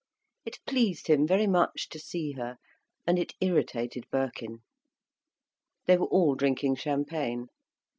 It pleased him very much to see her, and it irritated Birkin. They were all drinking champagne.